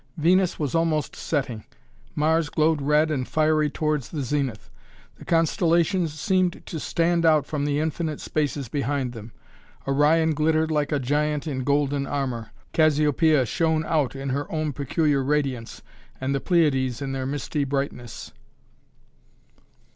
Venus was almost setting. Mars glowed red and fiery towards the zenith; the constellations seemed to stand out from the infinite spaces behind them. Orion glittered like a giant in golden armour; Cassiopeia shone out in her own peculiar radiance and the Pleiades in their misty brightness.